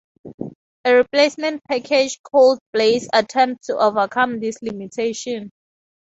A replacement package called Blaze attempts to overcome this limitation.